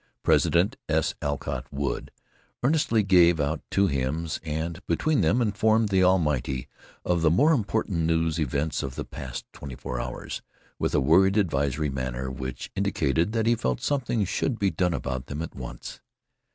President S. Alcott Wood earnestly gave out two hymns, and between them informed the Almighty of the more important news events of the past twenty four hours, with a worried advisory manner which indicated that he felt something should be done about them at once.